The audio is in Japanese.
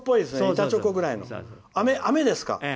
板チョコぐらいのあめですか。